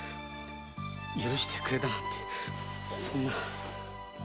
許してくれなんてそんな。